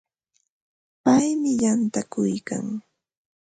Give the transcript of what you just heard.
Paymi yantakuykan.